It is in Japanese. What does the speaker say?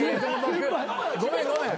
ごめんごめん。